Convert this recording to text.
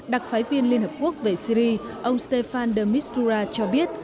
đặc phái viên liên hợp quốc về syri ông stéphane de mistura cho biết